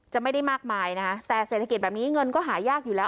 ไม่ได้มากมายนะคะแต่เศรษฐกิจแบบนี้เงินก็หายากอยู่แล้ว